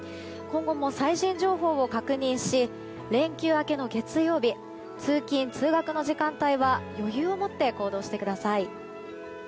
今後も最新情報を確認し連休明けの月曜日通勤・通学時間帯は余裕をもって行動してください。